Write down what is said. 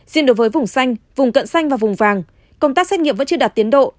riêng đối với vùng xanh vùng cận xanh và vùng vàng công tác xét nghiệm vẫn chưa đạt tiến độ